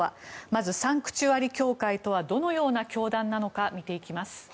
まず、サンクチュアリ教会とはどのような教団なのか見ていきます。